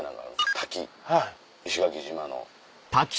滝石垣島の。